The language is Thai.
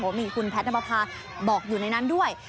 เป็นคุณแพทนัพพาบอกอยู่ในนั้นด้วย